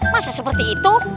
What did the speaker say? masa seperti itu